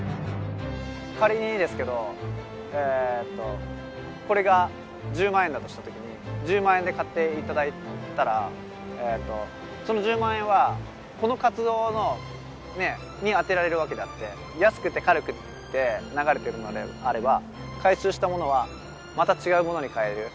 仮にですけどこれが１０万円だとしたときに１０万円で買っていただいたらその１０万円はこの活動に充てられるわけであって安くて軽くて流れているものであれば回収したものはまた違うものに変える。